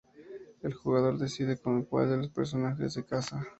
El jugador decide con cual de los personajes se casa.